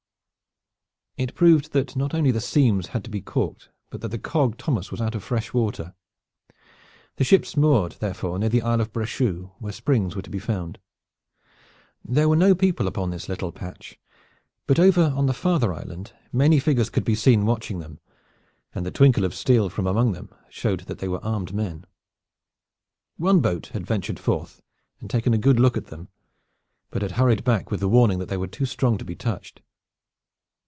It proved that not only the seams had to be calked but that the cog Thomas was out of fresh water. The ships moored therefore near the Isle of Brechou, where springs were to be found. There were no people upon this little patch, but over on the farther island many figures could be seen watching them, and the twinkle of steel from among them showed that they were armed men. One boat had ventured forth and taken a good look at them, but had hurried back with the warning that they were too strong to be touched.